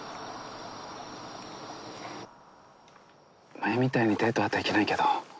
前みたいにデートはできないけど。